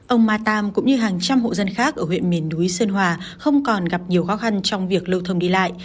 ông ma tam cũng như hàng trăm hộ dân khác ở huyện miền núi sơn hòa không còn gặp nhiều khó khăn trong việc lưu thông đi lại